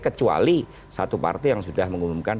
kecuali satu partai yang sudah mengumumkan